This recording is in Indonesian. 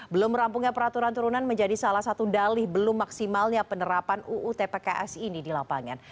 belum merampungnya peraturan turunan menjadi salah satu dalih belum maksimalnya penerapan uu tpks ini di lapangan